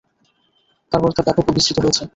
তারপর তা ব্যাপক ও বিস্তৃত হয়েছে।